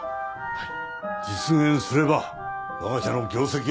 はい。